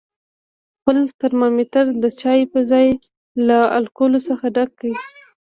خپل ترمامتر د چای په ځای له الکولو څخه ډک کړئ.